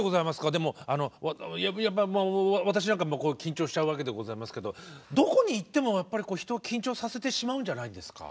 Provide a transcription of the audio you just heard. でも私なんか緊張しちゃうわけでございますけどどこに行ってもやっぱり人を緊張させてしまうんじゃないんですか？